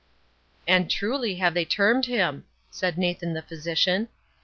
"And truly have they termed him," said Nathan the physician.